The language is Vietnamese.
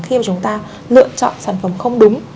khi mà chúng ta lựa chọn sản phẩm không đúng